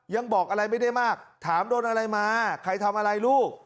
ยังบอกอะไรไม่ได้มากถามโดนอะไรมาใครทำอะไรลูก